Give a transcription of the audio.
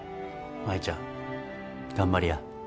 舞ちゃん頑張りや。